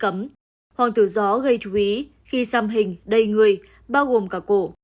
trước đó vào cuối tháng một mươi năm hai nghìn một mươi chín hoàng tử gió gây chú ý khi xăm hình đầy người bao gồm cả cổ